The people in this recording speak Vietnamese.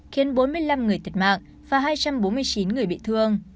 khiến bốn mươi năm người thiệt mạng và hai trăm bốn mươi chín người bị thương